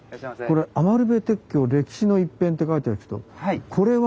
これ「余部鉄橋」歴史の一片って書いてありますけどこれは？